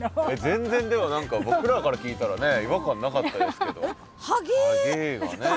全然でも何か僕らから聞いたら違和感なかったですけど。